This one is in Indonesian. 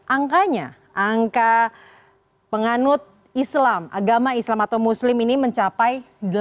angkanya angka penganut islam agama islam atau muslim ini mencapai delapan belas